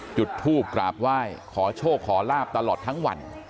จุดทูบกราบไหว้ขอโชคขอลาบตลอดทั้งวัน